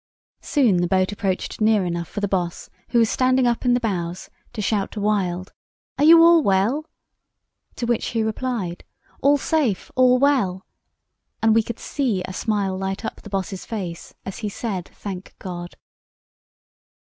"Soon the boat approached near enough for the Boss, who was standing up in the bows, to shout to Wild, 'Are you all well?' To which he replied, 'All safe, all well,' and we could see a smile light up the Boss's face as he said, 'Thank God!